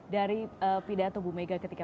dari pidato bu mega ketika